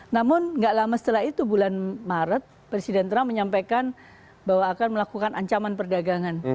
namun nggak lama setelah itu bulan maret presiden trump menyampaikan bahwa akan melakukan ancaman perdagangan